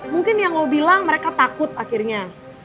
mungkin yang lo bilang mereka takut akhirnya